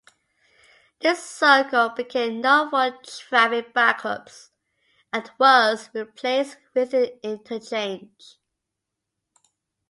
This circle became known for traffic backups and was replaced with an interchange.